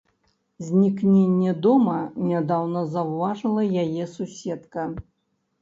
Знікненне дома нядаўна заўважыла яе суседка.